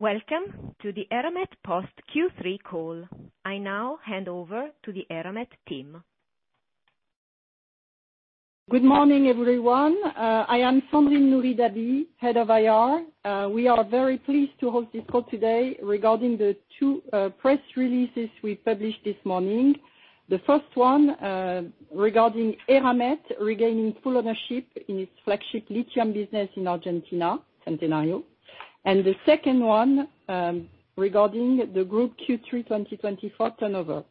Welcome to the Eramet post Q3 call. I now hand over to the Eramet team. Good morning, everyone. I am Sandrine Nourry-Dabi, Head of IR. We are very pleased to host this call today regarding the two press releases we published this morning. The first one regarding Eramet regaining full ownership in its flagship lithium business in Argentina, Centenario, and the second one regarding the group Q3 2024 turnover.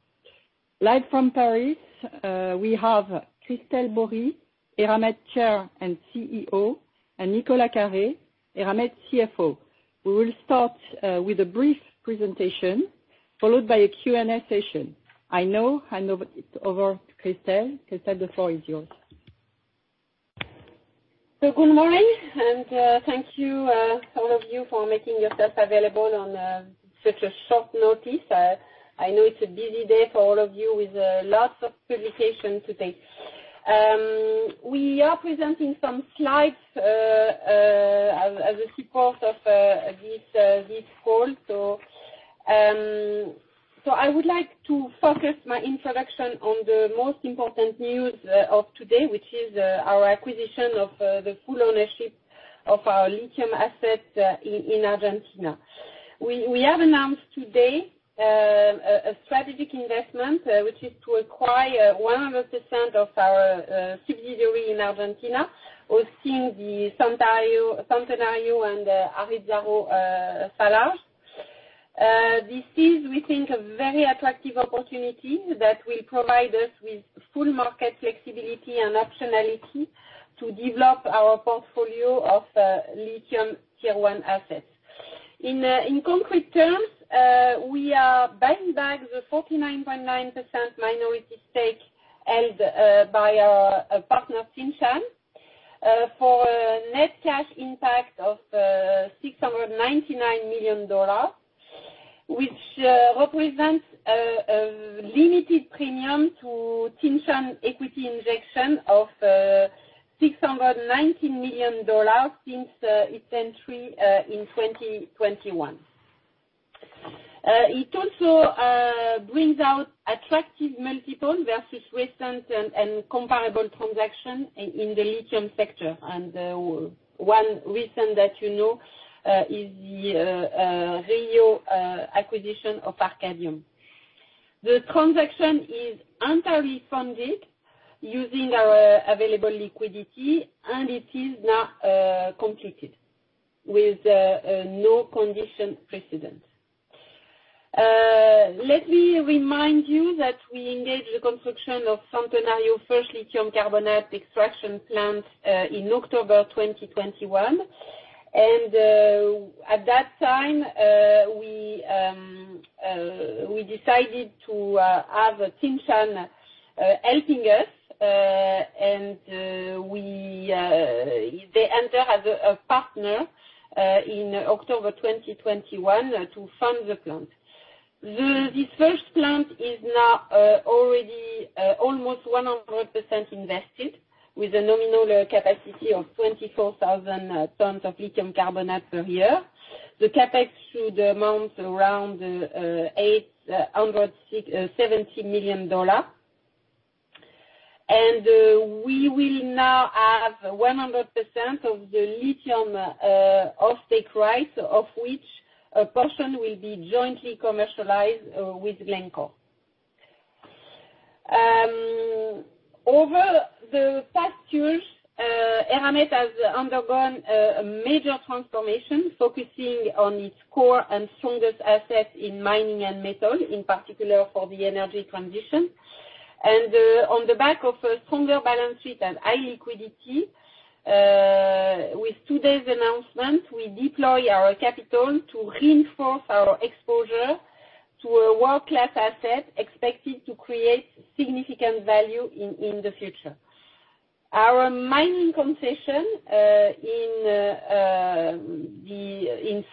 Live from Paris, we have Christel Bories, Eramet Chair and CEO, and Nicolas Carré, Eramet CFO. We will start with a brief presentation, followed by a Q&A session. I now hand over to Christel. Christel, the floor is yours. Good morning, and thank you, all of you, for making yourself available on such a short notice. I know it's a busy day for all of you, with lots of publication to take. We are presenting some slides as a support of this call. I would like to focus my introduction on the most important news of today, which is our acquisition of the full ownership of our lithium asset in Argentina. We have announced today a strategic investment which is to acquire 100% of our subsidiary in Argentina, hosting the Centenario and Arizaro salars. This is, we think, a very attractive opportunity that will provide us with full market flexibility and optionality to develop our portfolio of lithium Tier 1 assets. In concrete terms, we are buying back the 49.9% minority stake held by our partner, Tsingshan, for a net cash impact of $699 million. Which represents a limited premium to Tsingshan equity injection of $690 million since its entry in 2021. It also brings out attractive multiple versus recent and comparable transaction in the lithium sector. One recent that you know is the Rio acquisition of Arcadium. The transaction is entirely funded using our available liquidity, and it is now completed with no condition precedent. Let me remind you that we engaged the construction of Centenario first lithium carbonate extraction plant in October 2021. At that time we decided to have Tsingshan helping us and they enter as a partner in October 2021 to fund the plant. This first plant is now already almost 100% invested, with a nominal capacity of 24,000 tons of lithium carbonate per year. The CapEx should amount around $870 million. We will now have 100% of the lithium off-take rights, of which a portion will be jointly commercialized with Glencore. Over the past years, Eramet has undergone a major transformation, focusing on its core and strongest assets in mining and metal, in particular for the energy transition. On the back of a stronger balance sheet and high liquidity, with today's announcement, we deploy our capital to reinforce our exposure to a world-class asset expected to create significant value in the future. Our mining concession in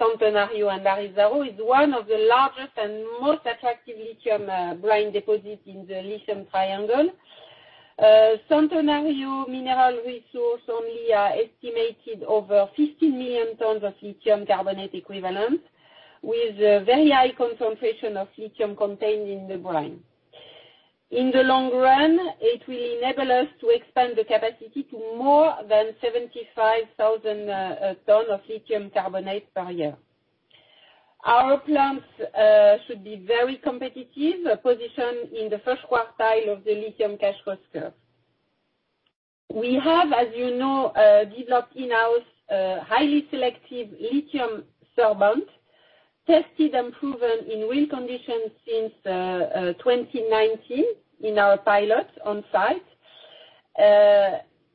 Centenario and Arizaro is one of the largest and most attractive lithium brine deposits in the Lithium Triangle. Centenario mineral resource only are estimated over 15 million tons of lithium carbonate equivalent, with a very high concentration of lithium contained in the brine. In the long run, it will enable us to expand the capacity to more than 75,000 tons of lithium carbonate per year. Our plans should be very competitive, positioned in the first quartile of the lithium cash cost curve. We have, as you know, developed in-house, highly selective lithium sorbent, tested and proven in real conditions since 2019 in our pilot on site.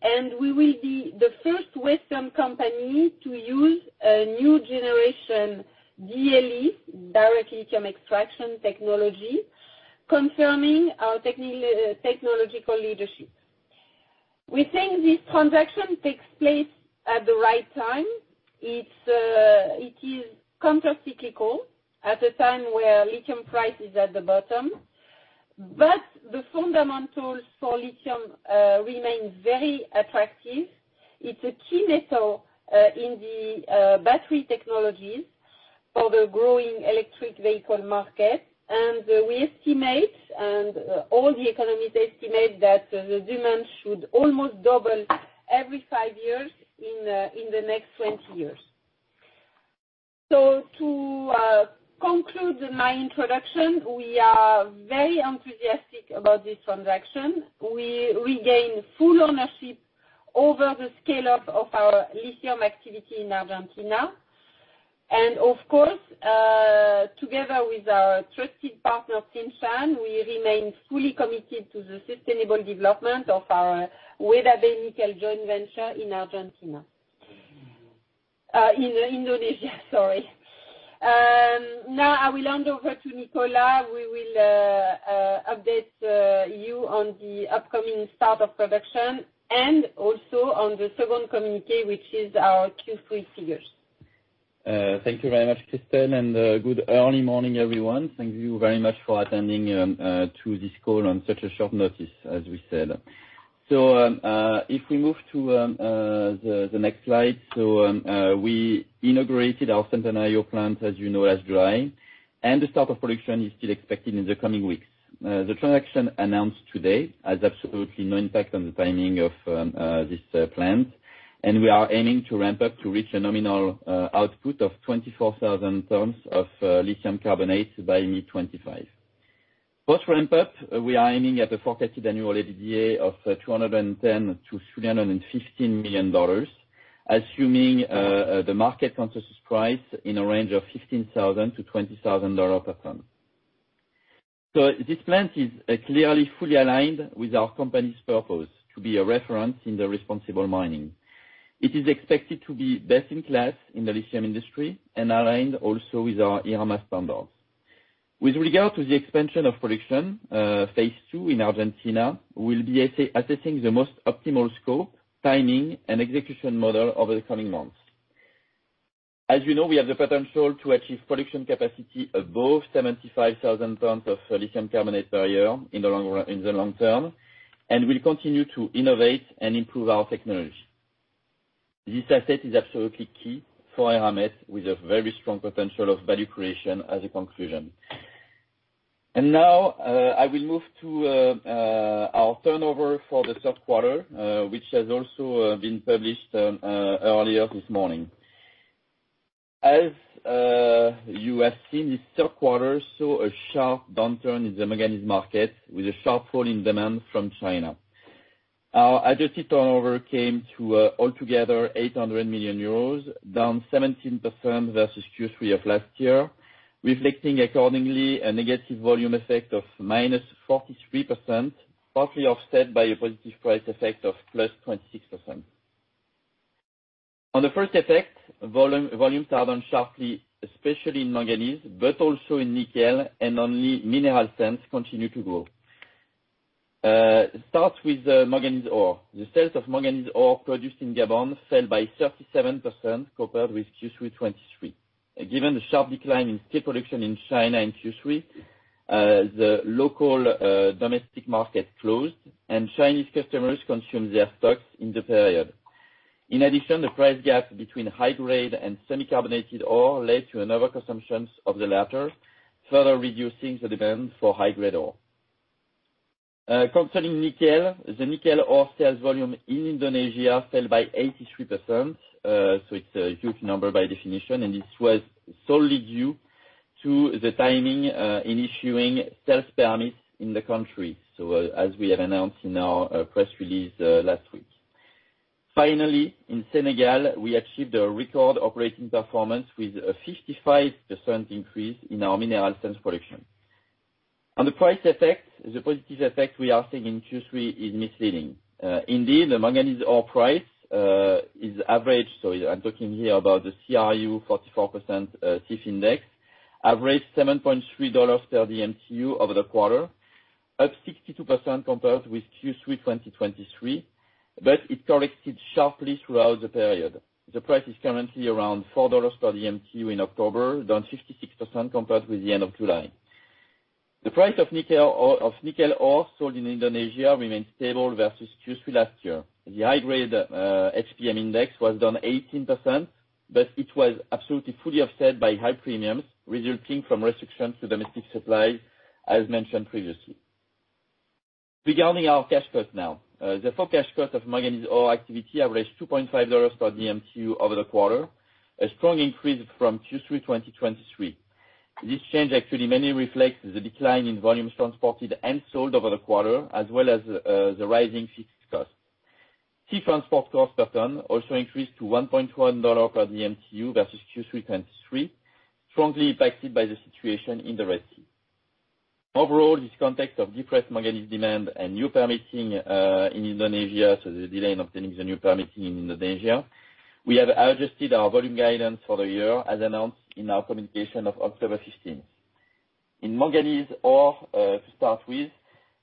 And we will be the first Western company to use a new generation DLE, direct lithium extraction technology, confirming our technological leadership. We think this transaction takes place at the right time. It is countercyclical, at a time where lithium price is at the bottom, but the fundamentals for lithium remain very attractive. It's a key metal in the battery technologies for the growing electric vehicle market. And we estimate, and all the economists estimate, that the demand should almost double every five years in the next 20 years. So, to conclude my introduction, we are very enthusiastic about this transaction. We gain full ownership over the scale-up of our lithium activity in Argentina. And of course, together with our trusted partner, Tsingshan, we remain fully committed to the sustainable development of our Weda Bay Nickel joint venture in Argentina. In Indonesia, sorry. Now I will hand over to Nicolas. We will update you on the upcoming start of production, and also on the second communique, which is our Q3 figures. Thank you very much, Christel, and good early morning, everyone. Thank you very much for attending to this call on such a short notice, as we said. If we move to the next slide. We integrated our Centenario plant, as you know, already, and the start of production is still expected in the coming weeks. The transaction announced today has absolutely no impact on the timing of this plant, and we are aiming to ramp up to reach a nominal output of 24,000 tons of lithium carbonate by mid-2025. Post ramp up, we are aiming at a forecasted annual EBITDA of $210 million-$315 million, assuming the market consensus price in a range of $15,000-$20,000 per ton. So this plant is clearly fully aligned with our company's purpose, to be a reference in the responsible mining. It is expected to be best in class in the lithium industry, and aligned also with our Eramet standards. With regard to the expansion of production, phase II in Argentina, we'll be assessing the most optimal scope, timing, and execution model over the coming months. As you know, we have the potential to achieve production capacity above 75,000 tons of lithium carbonate per year in the long term, and we'll continue to innovate and improve our technology. This asset is absolutely key for Eramet, with a very strong potential of value creation as a conclusion. And now, I will move to our turnover for the third quarter, which has also been published earlier this morning. As you have seen, this third quarter saw a sharp downturn in the manganese market, with a sharp fall in demand from China. Our adjusted turnover came to altogether 800 million euros, down 17% versus Q3 of last year, reflecting accordingly a negative volume effect of -43%, partly offset by a positive price effect of +26%. On the first effect, volume, volumes are down sharply, especially in manganese, but also in nickel, and only mineral sands continue to grow. Start with manganese ore. The sales of manganese ore produced in Gabon fell by 37% compared with Q3 2023. Given the sharp decline in steel production in China in Q3, the local, domestic market closed, and Chinese customers consumed their stocks in the period. In addition, the price gap between high-grade and semi-carbonated ore led to another consumption of the latter, further reducing the demand for high-grade ore. Concerning nickel, the nickel ore sales volume in Indonesia fell by 83%, so it's a huge number by definition, and this was solely due to the timing in issuing sales permits in the country. So, as we have announced in our press release last week. Finally, in Senegal, we achieved a record operating performance with a 55% increase in our mineral sands production. On the price effect, the positive effect we are seeing in Q3 is misleading. Indeed, the manganese ore price is average, so I'm talking here about the CRU 44% CIF index, average $7.3/dmtu over the quarter, up 62% compared with Q3 2023, but it corrected sharply throughout the period. The price is currently around $4/dmtu in October, down 56% compared with the end of July. The price of nickel ore sold in Indonesia remained stable versus Q3 last year. The high-grade HPM index was down 18%, but it was absolutely fully offset by high premiums resulting from restrictions to domestic supply, as mentioned previously. Regarding our cash cost now, the full cash cost of manganese ore activity averaged $2.5/dmtu over the quarter, a strong increase from Q3 2023. This change actually mainly reflects the decline in volumes transported and sold over the quarter, as well as, the rising fixed costs. Sea transport costs per ton also increased to $1.1/dmtu versus Q3 2023, strongly impacted by the situation in the Red Sea. Overall, this context of depressed manganese demand and new permitting in Indonesia, so the delay of obtaining the new permitting in Indonesia, we have adjusted our volume guidance for the year, as announced in our communication of October 15th. In manganese ore, to start with,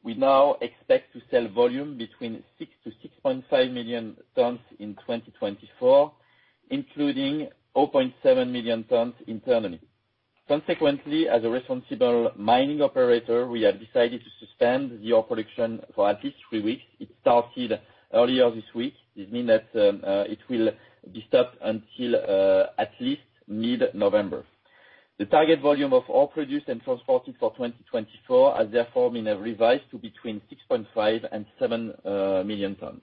we now expect to sell volume between 6 million tons-6.5 million tons in 2024, including 0.7 million tons internally. Consequently, as a responsible mining operator, we have decided to suspend the ore production for at least three weeks. It started earlier this week. This mean that it will be stopped until at least mid-November. The target volume of ore produced and transported for 2024 has therefore been revised to between 6.5 million tons and 7 million tons.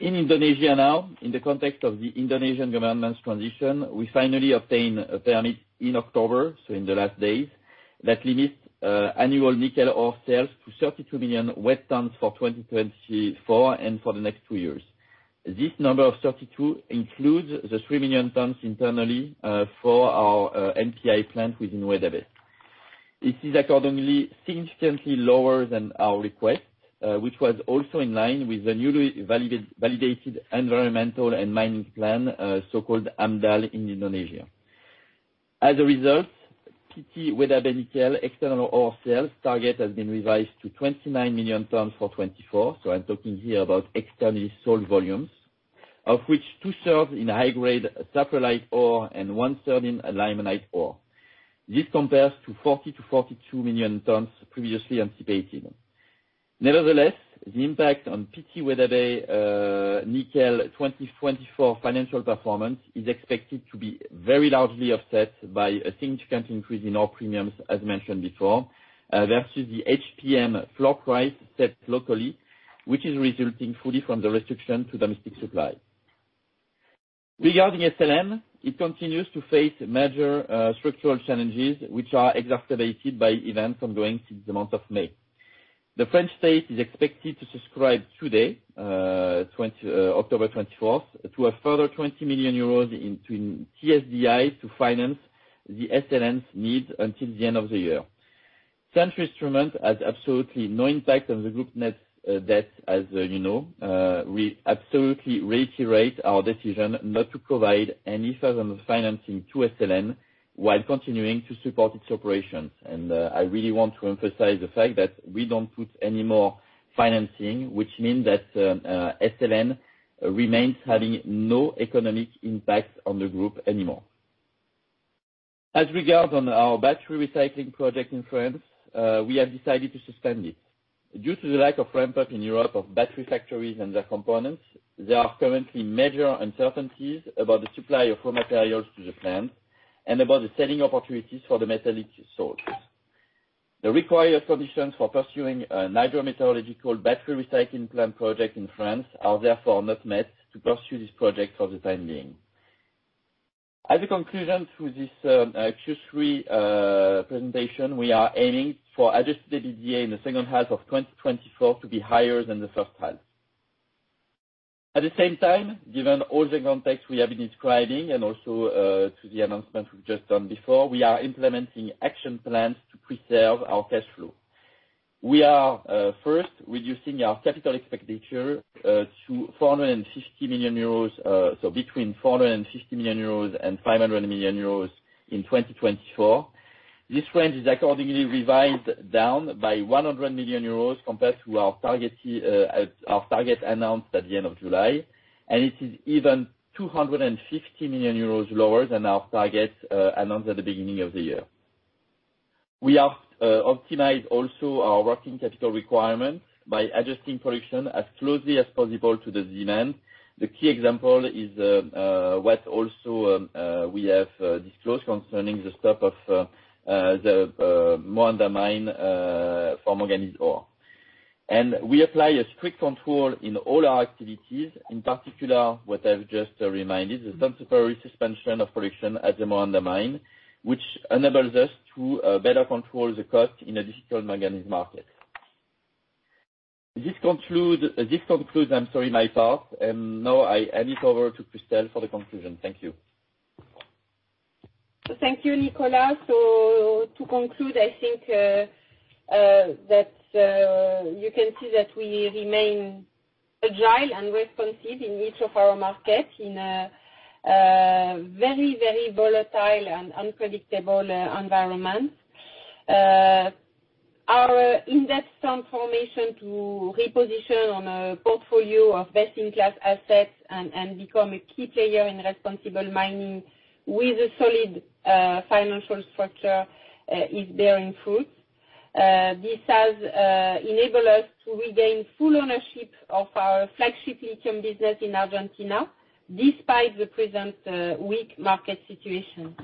In Indonesia now, in the context of the Indonesian government's transition, we finally obtained a permit in October, so in the last days, that limits annual nickel ore sales to 32 million wet tons for 2024 and for the next two years. This number of 32 includes the 3 million tons internally for our NPI plant within Weda Bay. This is accordingly significantly lower than our request, which was also in line with the newly validated environmental and mining plan, so-called AMDAL in Indonesia. As a result, PT Weda Bay Nickel external ore sales target has been revised to 29 million tons for 2024, so I'm talking here about externally sold volumes, of which two-thirds in high-grade laterite ore, and one-third in limonite ore. This compares to 40 million tons-42 million tons previously anticipated. Nevertheless, the impact on PT Weda Bay nickel 2024 financial performance is expected to be very largely offset by a significant increase in ore premiums, as mentioned before, versus the HPM floor price set locally, which is resulting fully from the restriction to domestic supply. Regarding SLN, it continues to face major structural challenges, which are exacerbated by events ongoing since the month of May. The French state is expected to subscribe today, October 24th, to a further 20 million euros into TSDI to finance the SLN's needs until the end of the year. Such instrument has absolutely no impact on the group net debt, as you know. We absolutely reiterate our decision not to provide any further financing to SLN, while continuing to support its operations. And I really want to emphasize the fact that we don't put any more financing, which mean that SLN remains having no economic impact on the group anymore. As regards on our battery recycling project in France, we have decided to suspend it. Due to the lack of ramp up in Europe of battery factories and their components, there are currently major uncertainties about the supply of raw materials to the plant, and about the selling opportunities for the metal source. The required conditions for pursuing a hydrometallurgical battery recycling plant project in France are therefore not met to pursue this project for the time being. As a conclusion to this Q3 presentation, we are aiming for adjusted EBITDA in the second half of 2024 to be higher than the first half. At the same time, given all the context we have been describing, and also to the announcement we've just done before, we are implementing action plans to preserve our cash flow. We are first reducing our capital expenditure to 450 million euros, so between 450 million euros and 500 million euros in 2024. This range is accordingly revised down by 100 million euros compared to our target announced at the end of July, and it is even 250 million euros lower than our target announced at the beginning of the year. We have optimized also our working capital requirement by adjusting production as closely as possible to the demand. The key example is what also we have disclosed concerning the stop of the Moanda mine for manganese ore. We apply a strict control in all our activities, in particular, what I've just reminded, the temporary suspension of production at the Moanda mine, which enables us to better control the cost in a difficult manganese market. This concludes, I'm sorry, my part, and now I hand it over to Christel for the conclusion. Thank you. Thank you, Nicolas. So to conclude, I think, that you can see that we remain agile and responsive in each of our markets in a, very, very volatile and unpredictable, environment. Our investment formation to reposition on a portfolio of best-in-class assets and become a key player in responsible mining with a solid, financial structure, is bearing fruit. This has enabled us to regain full ownership of our flagship lithium business in Argentina, despite the present, weak market situation.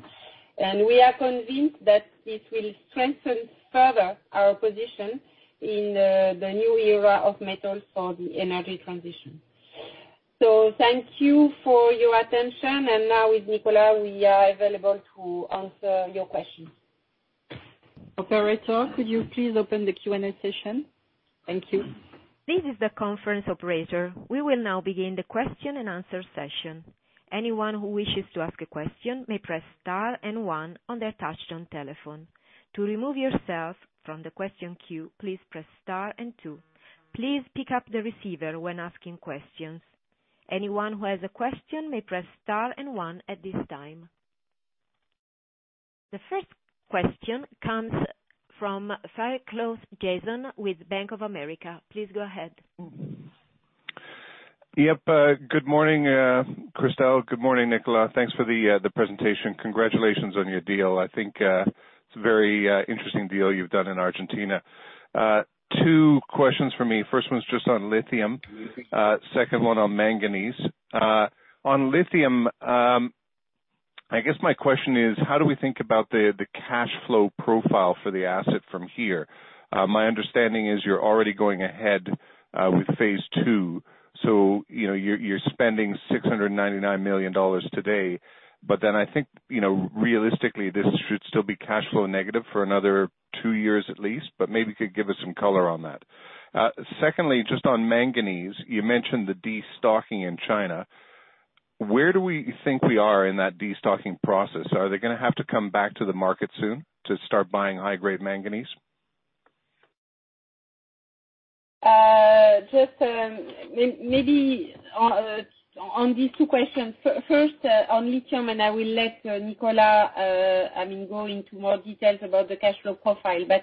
And we are convinced that this will strengthen further our position in, the new era of metals for the energy transition. So thank you for your attention, and now with Nicolas, we are available to answer your questions. Operator, could you please open the Q&A session? Thank you. This is the conference operator. We will now begin the question-and-answer session. Anyone who wishes to ask a question may press star and one on their touchtone telephone. To remove yourself from the question queue, please press star and two. Please pick up the receiver when asking questions. Anyone who has a question may press star and one at this time. The first question comes from Jason Fairclough with Bank of America. Please go ahead. Yep, good morning, Christel, good morning, Nicolas. Thanks for the presentation. Congratulations on your deal. I think, it's a very interesting deal you've done in Argentina. Two questions from me, first one's just on lithium, second one on manganese. On lithium, I guess my question is: How do we think about the cashflow profile for the asset from here? My understanding is you're already going ahead with phase II, so, you know, you're spending $699 million today, but then I think, you know, realistically, this should still be cashflow negative for another two years at least, but maybe you could give us some color on that. Secondly, just on manganese, you mentioned the destocking in China. Where do we think we are in that destocking process? Are they gonna have to come back to the market soon to start buying high-grade manganese? Just maybe on these two questions, first on lithium, and I will let Nicolas, I mean, go into more details about the cashflow profile. But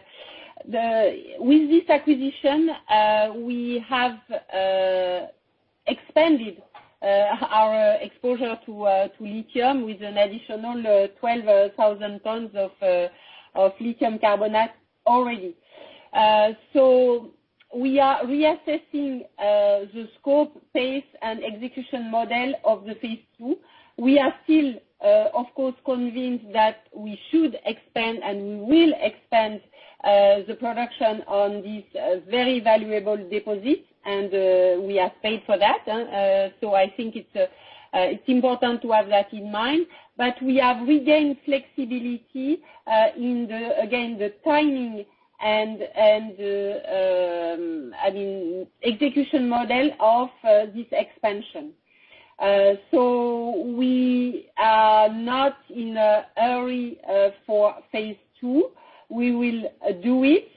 with this acquisition, we have expanded our exposure to lithium with an additional twelve thousand tons of lithium carbonate already. So we are reassessing the scope, pace, and execution model of the phase II. We are still, of course, convinced that we should expand, and we will expand the production on these very valuable deposits, and we have paid for that, so I think it's important to have that in mind. But we have regained flexibility in the, again, the timing and I mean execution model of this expansion. We are not in a hurry for phase II. We will do it,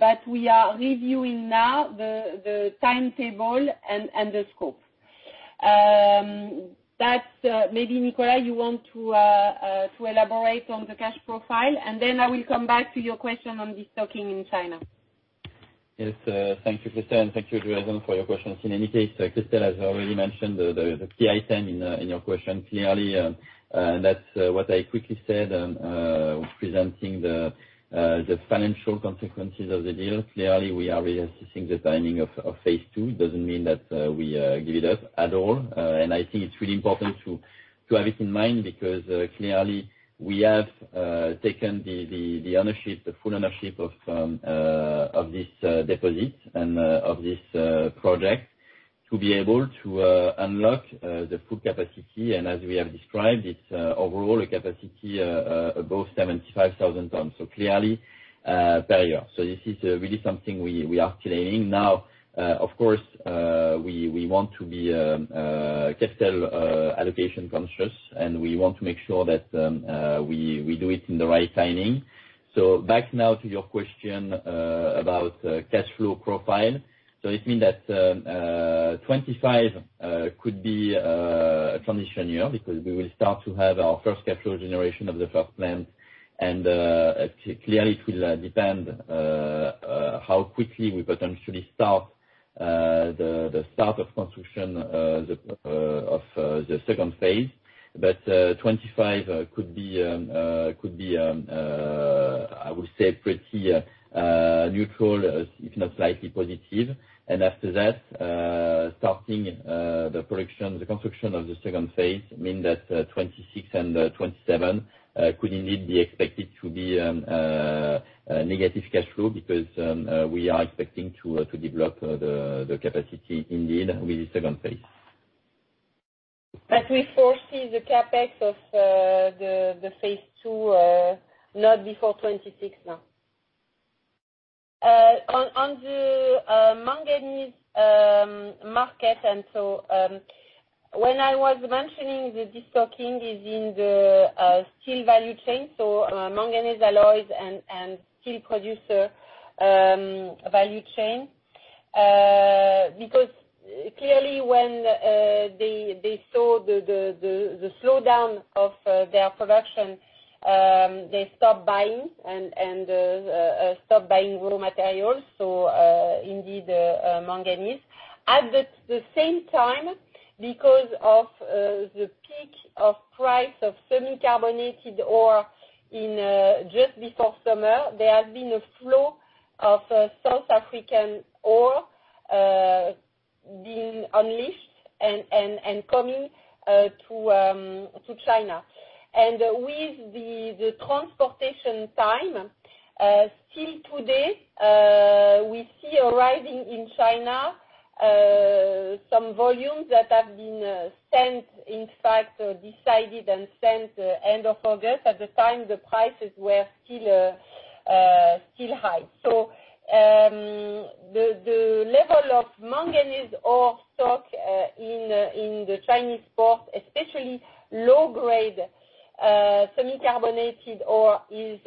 but we are reviewing now the timetable and the scope. Maybe Nicolas, you want to elaborate on the cash profile, and then I will come back to your question on destocking in China. Yes, thank you, Christel, and thank you, Jason, for your questions. In any case, Christel has already mentioned the key item in your question clearly, and that's what I quickly said, presenting the financial consequences of the deal. Clearly, we are reassessing the timing of phase II. Doesn't mean that we give it up at all, and I think it's really important to have it in mind because clearly we have taken the full ownership of this deposit and of this project, to be able to unlock the full capacity. And as we have described, it's overall a capacity above 75,000 tons, so clearly better. So this is really something we are planning. Now, of course, we want to be capital allocation-conscious, and we want to make sure that we do it in the right timing. So back now to your question about the cash flow profile. So it mean that 2025 could be a transition year, because we will start to have our first cash flow generation of the first plant, and clearly it will depend how quickly we potentially start the start of construction of the second phase. But 2025 could be, I would say, pretty neutral, if not slightly positive. And after that, starting the production, the construction of the second phase mean that 2026 and 2027 could indeed be expected to be negative cashflow, because we are expecting to develop the capacity indeed with the second phase. But we foresee the CapEx of the phase II not before 2026, no. On the manganese market, and so, when I was mentioning the destocking is in the steel value chain, so, manganese alloys and steel producer value chain. Because clearly when they saw the slowdown of their production, they stopped buying and stopped buying raw materials, so, indeed, manganese. At the same time, because of the peak of price of semi-carbonated ore just before summer, there has been a flow of South African ore being unleashed and coming to China. And with the transportation time, still today, we see arriving in China some volumes that have been sent, in fact, decided and sent end of August. At the time, the prices were still high. So, the level of manganese ore stock in the Chinese port, especially low-grade semi-carbonated ore, is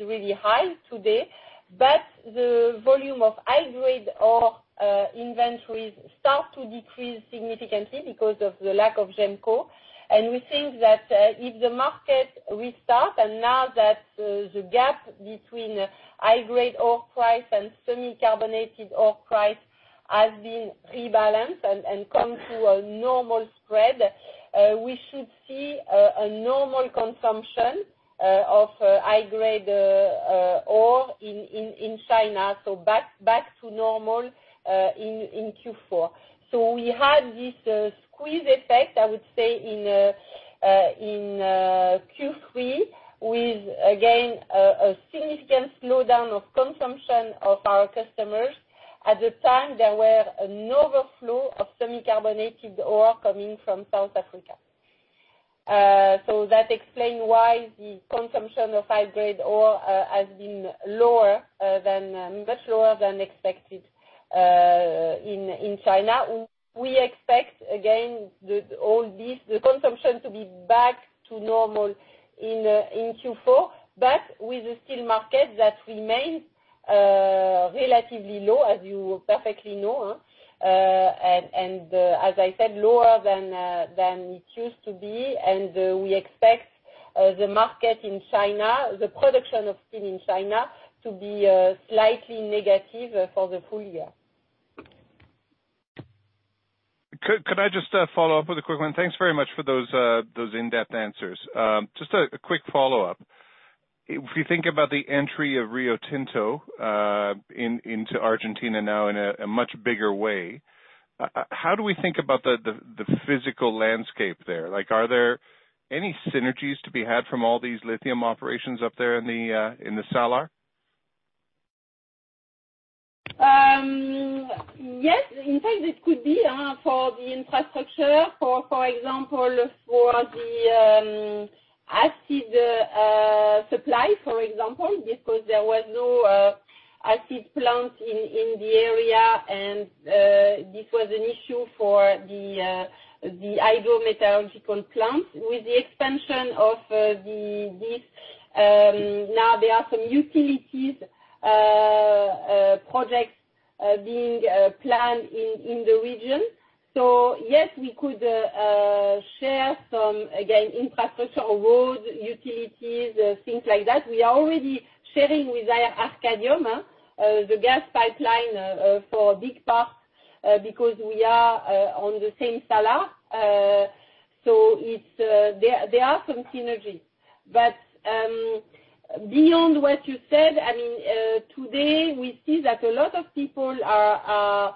really high today, but the volume of high-grade ore inventories start to decrease significantly because of the lack of GEMCO. We think that if the market restart, and now that the gap between high-grade ore price and semi-carbonated ore price has been rebalanced and come to a normal spread, we should see a normal consumption of high-grade ore in China, so back to normal in Q4. We had this squeeze effect, I would say, in Q3, with again a significant slowdown of consumption of our customers. At the time, there were an overflow of semi-carbonated ore coming from South Africa. So that explain why the consumption of high-grade ore has been lower than much lower than expected in China. We expect again all this consumption to be back to normal in Q4. But with the steel market that remains relatively low, as you perfectly know, and as I said, lower than it used to be. And we expect the market in China, the production of steel in China to be slightly negative for the full year. Could I just follow up with a quick one? Thanks very much for those in-depth answers. Just a quick follow-up. If you think about the entry of Rio Tinto into Argentina now in a much bigger way, how do we think about the physical landscape there? Like, are there any synergies to be had from all these lithium operations up there in the salar? Yes, in fact, it could be for the infrastructure, for example, for the acid supply, for example, because there was no acid plant in the area, and this was an issue for the hydrometallurgical plant. With the expansion of this, now there are some utilities projects being planned in the region. So yes, we could share some, again, infrastructure or road utilities, things like that. We are already sharing with Arcadium the gas pipeline for big part because we are on the same salar. So it's there are some synergies. But beyond what you said, I mean, today we see that a lot of people are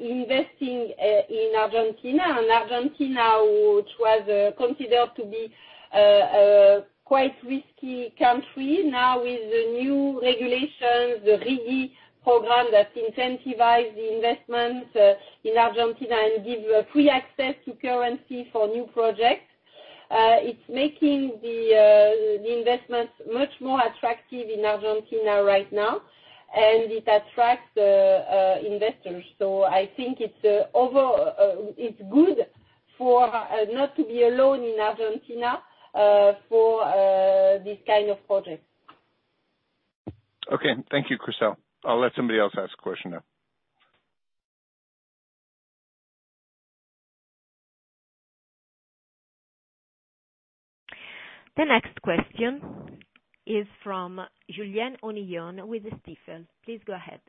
investing in Argentina. And Argentina, which was considered to be a quite risky country, now with the new regulations, the RIGI program that incentivize the investments in Argentina and give free access to currency for new projects, it's making the investments much more attractive in Argentina right now, and it attracts investors. So I think it's good for not to be alone in Argentina for this kind of project. Okay. Thank you, Christel. I'll let somebody else ask a question now. The next question is from Julien Onillon with Stifel. Please go ahead.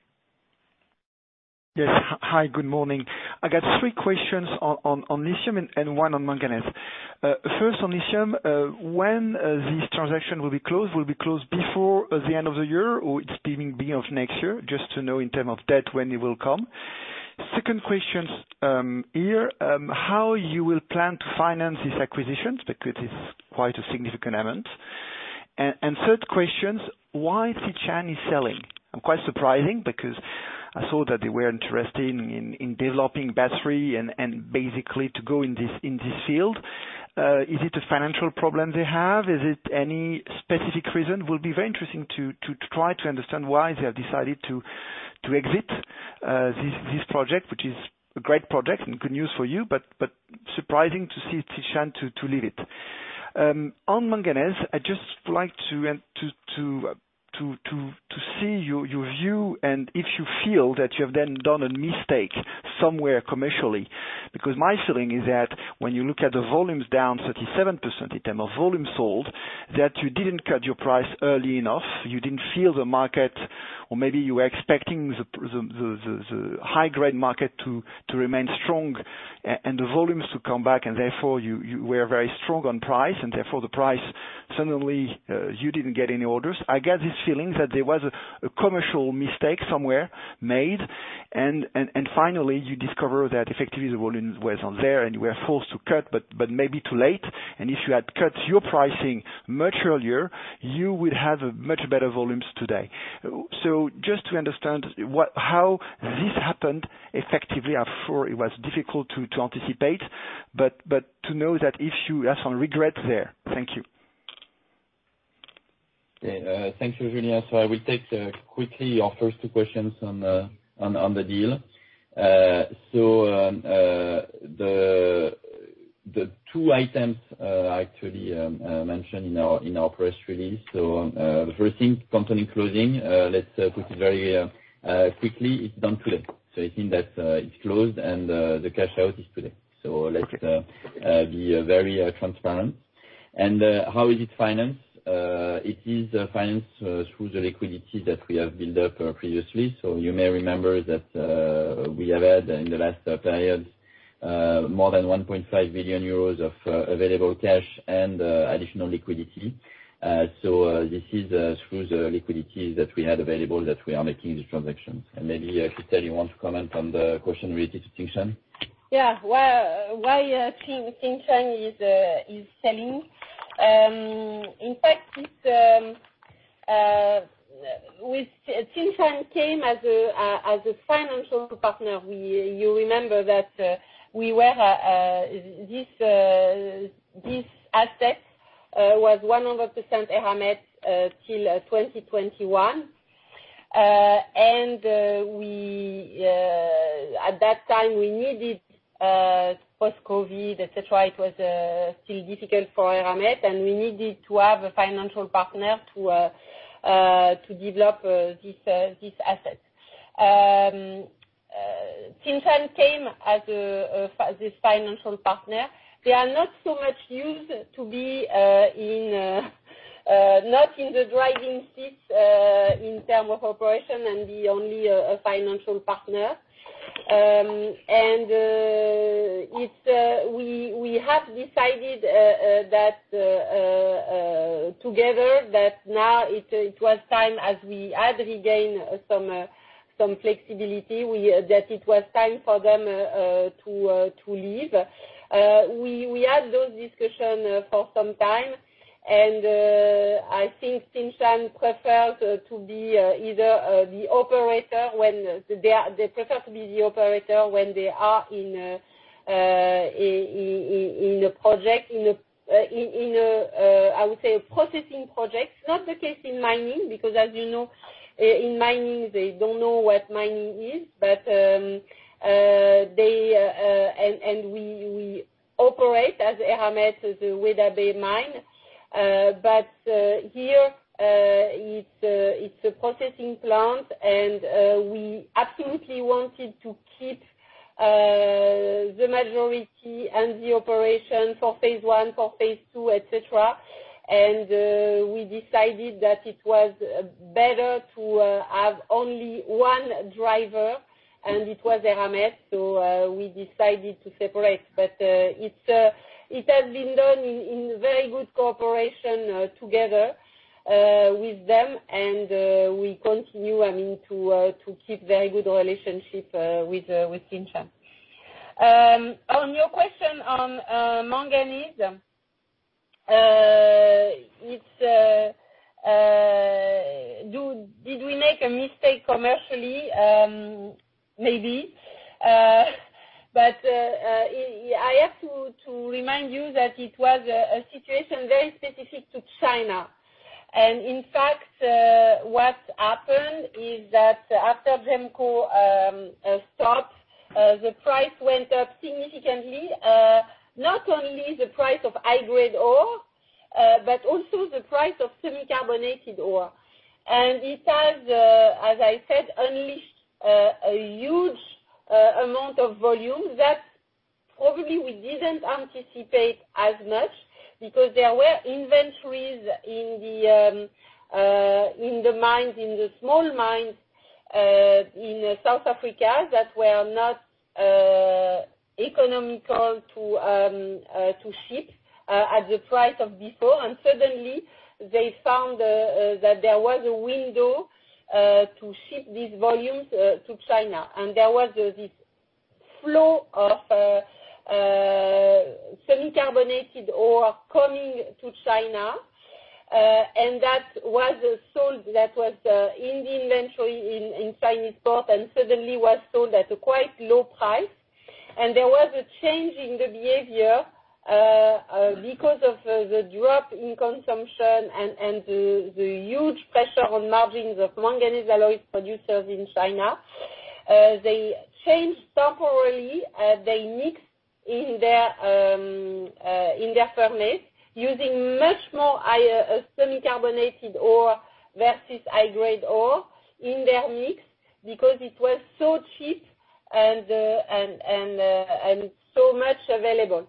Yes. Hi, good morning. I got three questions on lithium and one on manganese. First, on lithium, when this transaction will be closed, before the end of the year, or it's beginning of next year? Just to know in terms of debt when it will come. Second question, how you will plan to finance these acquisitions? Because it's quite a significant amount. And third question, why Tsingshan is selling? I'm quite surprising, because I saw that they were interested in developing battery and basically to go in this field. Is it a financial problem they have? Is it any specific reason? It will be very interesting to try to understand why they have decided to exit this project, which is a great project and good news for you, but surprising to see Tsingshan to leave it. On manganese, I'd just like to see your view and if you feel that you have then done a mistake somewhere commercially. Because my feeling is that when you look at the volumes down 37% in terms of volume sold, that you didn't cut your price early enough, you didn't feel the market, or maybe you were expecting the high-grade market to remain strong and the volumes to come back, and therefore you were very strong on price, and therefore the price suddenly you didn't get any orders. I get this feeling that there was a commercial mistake somewhere made, and finally you discover that effectively the volume wasn't there and you were forced to cut, but maybe too late, and if you had cut your pricing much earlier, you would have a much better volumes today, so just to understand what how this happened effectively. I'm sure it was difficult to anticipate, but to know that if you have some regrets there. Thank you. Yeah, thank you, Julien. So I will take quickly your first two questions on the deal. So, the two items, actually, mentioned in our press release. So, the first thing, company closing, let's put it very quickly, it's done today. So I think that it's closed and the cash out is today. So let's be very transparent. And how is it financed? It is financed through the liquidity that we have built up previously. So you may remember that we have had in the last period more than 1.5 billion euros of available cash and additional liquidity. So this is through the liquidity that we had available that we are making these transactions. And maybe, Christel, you want to comment on the question related to Tsingshan? Yeah. Well, why Tsingshan is selling? In fact, it with Tsingshan came as a financial partner. You remember that we were this asset was 100% Eramet till 2021. And we at that time we needed post-Covid, et cetera, it was still difficult for Eramet, and we needed to have a financial partner to develop this asset. Tsingshan came as a financial partner. They are not so much used to be in the driving seat in term of operation, and be only a financial partner. We have decided that together that now it was time, as we had regained some flexibility, that it was time for them to leave. We had those discussions for some time, and I think Tsingshan preferred to be either the operator, when they are they prefer to be the operator when they are in a project, in a I would say, a processing project. Not the case in mining, because as you know, in mining, they don't know what mining is. But we operate as Eramet to the Weda Bay mine. But here, it's a processing plant, and we absolutely wanted to keep the majority and the operation for phase I, for phase II, et cetera. And we decided that it was better to have only one driver, and it was Eramet, so we decided to separate. But it has been done in very good cooperation together with them. And we continue, I mean, to keep very good relationship with Tsingshan. On your question on manganese, did we make a mistake commercially? Maybe. But I have to remind you that it was a situation very specific to China. And in fact, what happened is that after GEMCO stopped, the price went up significantly, not only the price of high-grade ore, but also the price of semi-carbonated ore. And it has, as I said, unleashed a huge amount of volume that probably we didn't anticipate as much, because there were inventories in the small mines in South Africa, that were not economical to ship at the price of before. And suddenly they found that there was a window to ship these volumes to China. And there was this flow of semi-carbonated ore coming to China, and that was sold, that was in the inventory in Chinese port, and suddenly was sold at a quite low price. There was a change in the behavior because of the drop in consumption and the huge pressure on margins of manganese alloy producers in China. They changed temporarily their mix in their furnace, using much more semi-carbonated ore versus high-grade ore in their mix, because it was so cheap and so much available.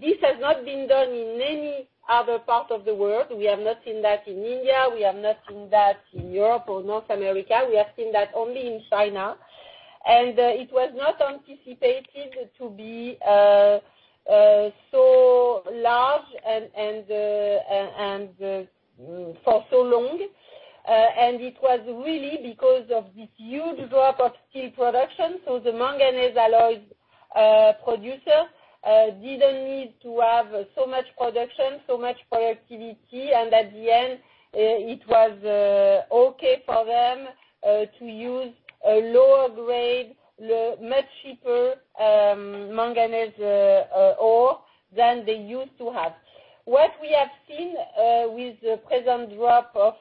This has not been done in any other part of the world. We have not seen that in India. We have not seen that in Europe or North America. We have seen that only in China. It was not anticipated to be so large and for so long. It was really because of this huge drop of steel production. So the manganese alloys producer didn't need to have so much production, so much productivity. And at the end, it was okay for them to use a lower grade, much cheaper manganese ore than they used to have. What we have seen with the present drop of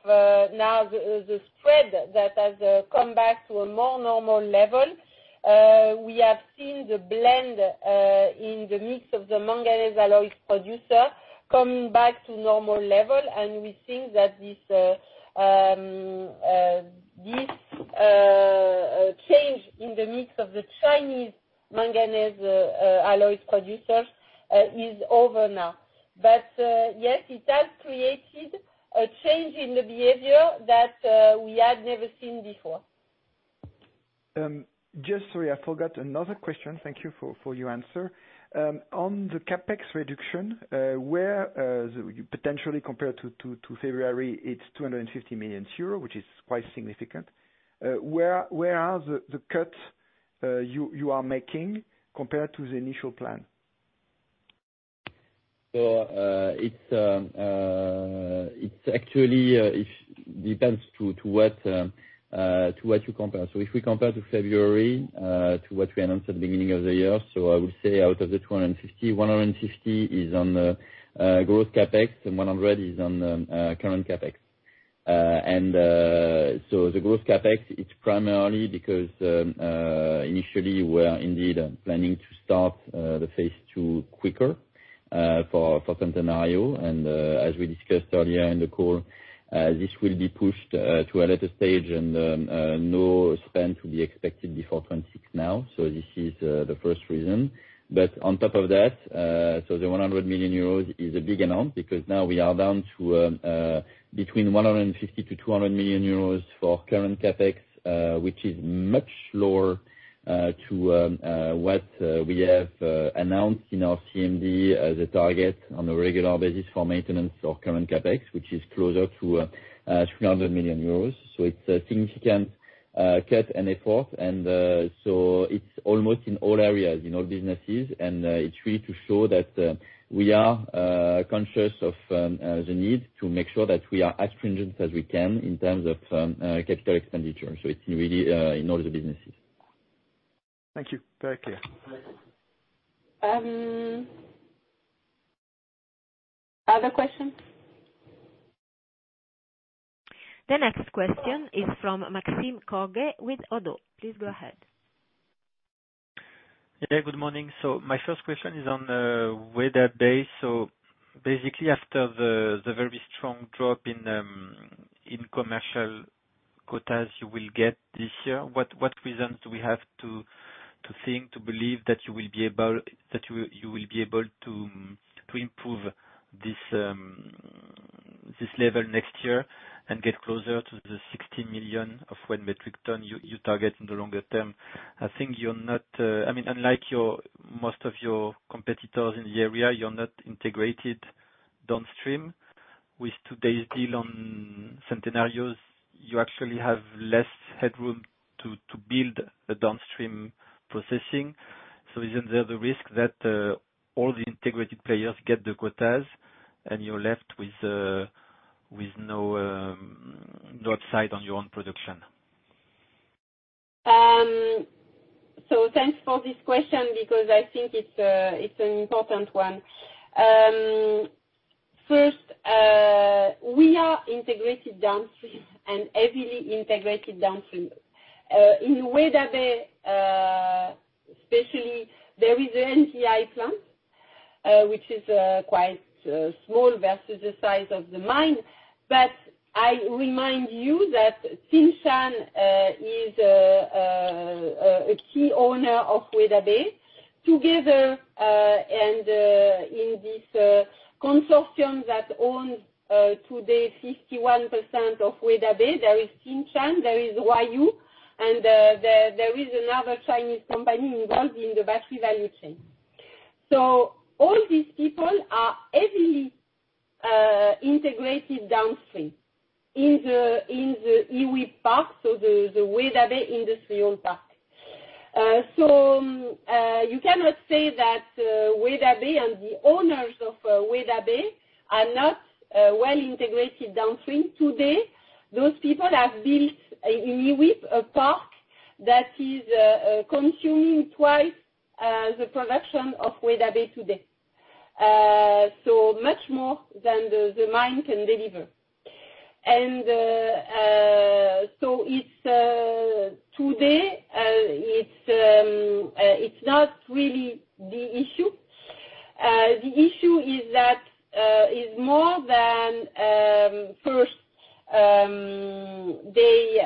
now the spread that has come back to a more normal level, we have seen the blend in the mix of the manganese alloy producer coming back to normal level, and we think that this change in the mix of the Chinese manganese alloy producers is over now. But yes, it has created a change in the behavior that we had never seen before. Just sorry, I forgot another question. Thank you for your answer. On the CapEx reduction, where potentially compared to February, it's 250 million euro, which is quite significant. Where are the cuts you are making compared to the initial plan? So, it's actually, it depends to what you compare. So if we compare to February, to what we announced at the beginning of the year, so I would say out of the 250 million, 150 million is on the growth CapEx, and one hundred is on the current CapEx. And, so the growth CapEx, it's primarily because initially we were indeed planning to start the phase II quicker, for Centenario. And, as we discussed earlier in the call, this will be pushed to a later stage, and no spend to be expected before 2026 now. So this is the first reason. But on top of that, so the 100 million euros is a big amount, because now we are down to between 150 million-200 million euros for current CapEx, which is much lower to what we have announced in our CMD as a target on a regular basis for maintenance of current CapEx, which is closer to 300 million euros. So it's a significant cut and effort, and so it's almost in all areas, in all businesses. And it's really to show that we are conscious of the need to make sure that we are as stringent as we can in terms of capital expenditure. So it's really in all the businesses. Thank you. Very clear. Other questions? The next question is Maxime Kogge with ODDO. Please go ahead. Yeah, good morning. So my first question is on Weda Bay. So basically, after the very strong drop in commercial quotas you will get this year, what reasons do we have to think, to believe that you will be able to improve this level next year and get closer to the 60 million of wet metric ton you target in the longer term? I think you're not, I mean, unlike most of your competitors in the area, you're not integrated downstream. With today's deal on Centenario, you actually have less headroom to build the downstream processing. So isn't there the risk that all the integrated players get the quotas, and you're left with no upside on your own production? Thanks for this question, because I think it's an important one. First, we are integrated downstream and heavily integrated downstream. In Weda Bay, especially there is a NPI plant, which is quite small versus the size of the mine. But I remind you that Tsingshan is a key owner of Weda Bay together and in this consortium that owns today 51% of Weda Bay, there is Tsingshan, there is Huayou, and there is another Chinese company involved in the battery value chain. So all these people are heavily integrated downstream in the IWIP park, so the Weda Bay Industrial Park. So you cannot say that Weda Bay and the owners of Weda Bay are not well integrated downstream. Today, those people have built an IWIP park that is consuming twice the production of Weda Bay today. So much more than the mine can deliver. And so it's today, it's not really the issue. The issue is that is more than first, they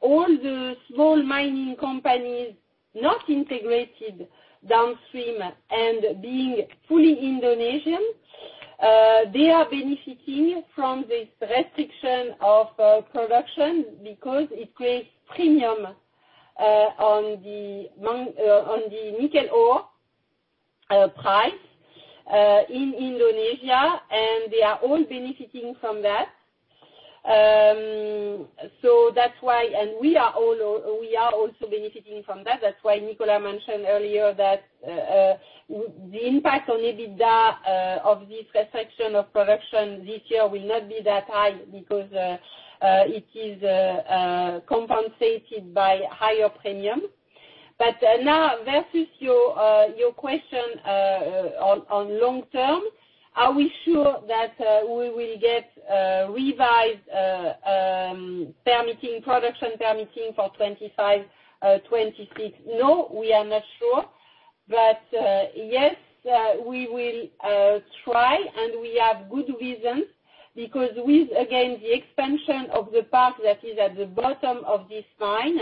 all the small mining companies not integrated downstream and being fully Indonesian, they are benefiting from this restriction of production because it creates premium on the nickel ore price in Indonesia, and they are all benefiting from that. So that's why. And we are also benefiting from that. That's why Nicolas mentioned earlier that the impact on EBITDA of this restriction of production this year will not be that high, because it is compensated by higher premium. But now versus your question on long term, are we sure that we will get revised permitting, production permitting for 2025, 2026? No, we are not sure. But yes, we will try, and we have good reason, because with again the expansion of the park that is at the bottom of this mine,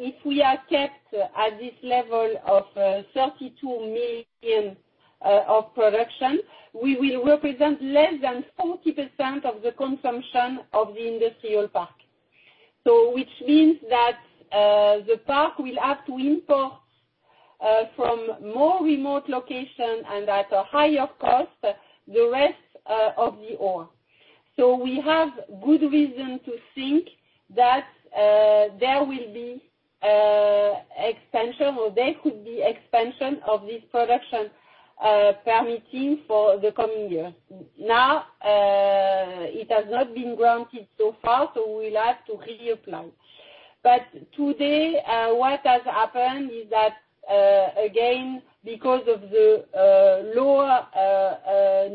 if we are kept at this level of 32 million of production, we will represent less than 40% of the consumption of the industrial park. So which means that, the park will have to import, from more remote location and at a higher cost, the rest, of the ore. So we have good reason to think that, there will be, expansion, or there could be expansion of this production permitting for the coming year. Now, it has not been granted so far, so we will have to reapply. But today, what has happened is that, again, because of the, lower,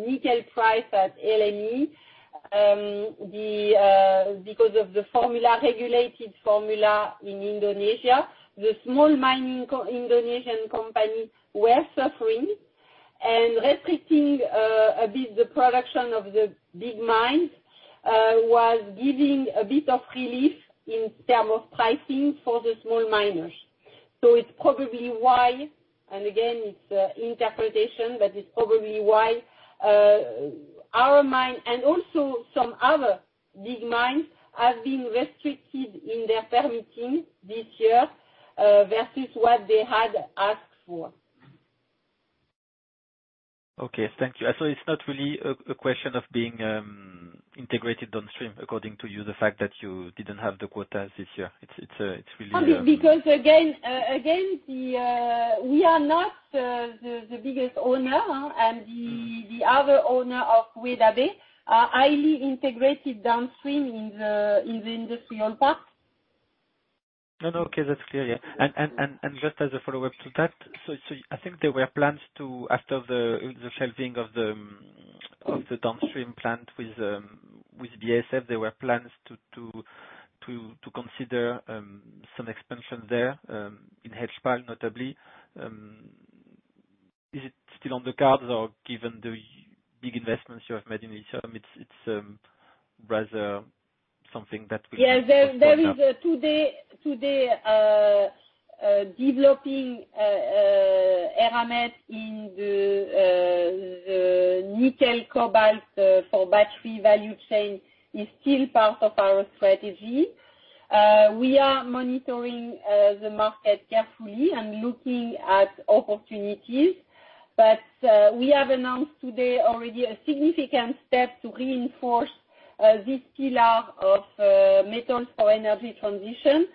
nickel price at LME, the, because of the formula, regulated formula in Indonesia, the small mining Indonesian companies were suffering. And restricting, a bit the production of the big mines was giving a bit of relief in terms of pricing for the small miners. So it's probably why, and again, it's, interpretation, but it's probably why, our mine and also some other big mines have been restricted in their permitting this year, versus what they had asked for. Okay, thank you. So it's not really a question of being integrated downstream, according to you, the fact that you didn't have the quotas this year. It's really Only because, again, we are not the biggest owner, and the other owner of Weda Bay are highly integrated downstream in the industrial park. No, no, okay, that's clear, yeah, and just as a follow-up to that, so I think there were plans to, after the shelving of the downstream plant with BASF, there were plans to consider some expansion there in Hidspal, notably. Is it still on the cards? Or given the big investments you have made in each of them, it's rather something that will- Yeah. -pop up? There is today developing Eramet in the nickel, cobalt for battery value chain is still part of our strategy. We are monitoring the market carefully and looking at opportunities. But, we have announced today already a significant step to reinforce this pillar of metals for energy transition.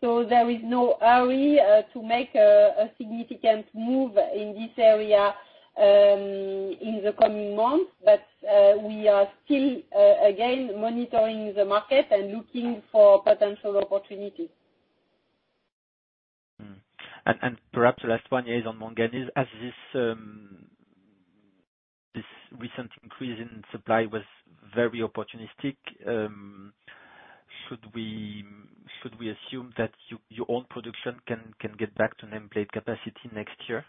So there is no hurry to make a significant move in this area in the coming months. But, we are still again monitoring the market and looking for potential opportunities. Mm-hmm. And perhaps the last one is on manganese. As this recent increase in supply was very opportunistic, should we assume that your own production can get back to nameplate capacity next year,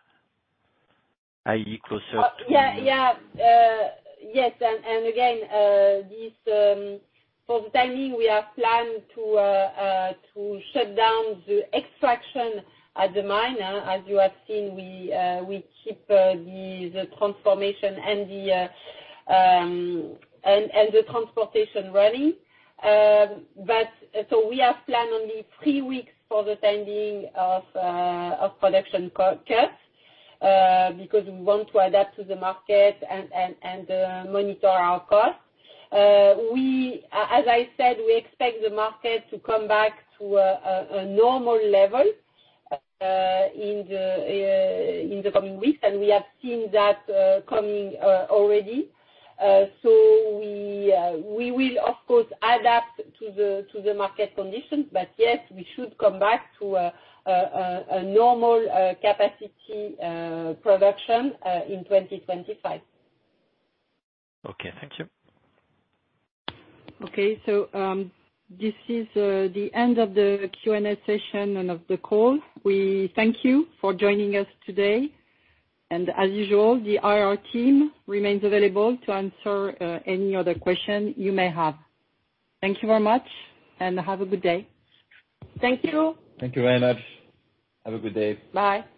i.e., closer to- Yeah, yeah. Yes, and again, this for the timing, we have planned to shut down the extraction at the mine. As you have seen, we keep the transformation and the transportation running, but so we have planned only three weeks for the timing of production cost cuts, because we want to adapt to the market and monitor our costs. As I said, we expect the market to come back to a normal level in the coming weeks, and we have seen that coming already. So we will, of course, adapt to the market conditions, but yes, we should come back to a normal capacity production in 2025. Okay. Thank you. Okay, so, this is the end of the Q&A session and of the call. We thank you for joining us today, and as usual, the IR team remains available to answer any other question you may have. Thank you very much, and have a good day. Thank you. Thank you very much. Have a good day. Bye.